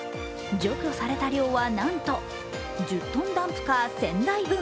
除去された量は、なんと１０トンダンプカー１０００台分。